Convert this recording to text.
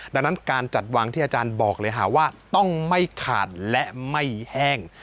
ดังนั้นการจัดวางที่อาจารย์บอกเลยค่ะว่าต้องไม่ขาดและไม่แห้ง